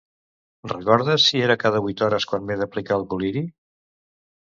Recordes si era cada vuit hores quan m'he d'aplicar el col·liri?